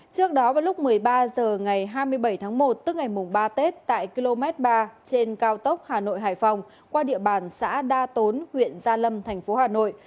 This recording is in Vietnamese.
trước đó vào lúc một mươi ba h ngày hai mươi bảy tháng một tức ngày ba tết tại km ba trên cao tốc hà nội hải phòng qua địa bàn xã đa tốn huyện gia lâm thành phố hà nội